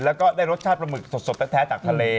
แล้วก็ได้รสชาติปลาหมึกสดแท้จากทะเล